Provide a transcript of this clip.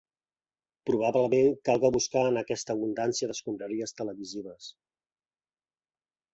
Probablement calga buscar en aquesta abundància d'escombraries televisives.